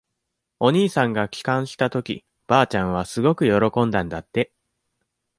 お兄さんが帰還したとき、ばあちゃんはすごく喜んだんだって。